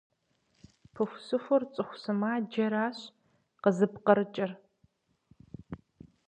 Пыхусыхур цӀыху сымаджэращ къызыпкъырыкӀыр.